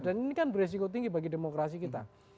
dan ini kan beresiko tinggi bagi demokrasi kita